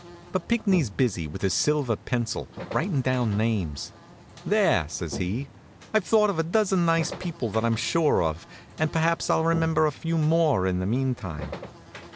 But Pinckney's busy with his silver pencil, writin' down names. "There!" says he. "I've thought of a dozen nice people that I'm sure of, and perhaps I'll remember a few more in the mean time."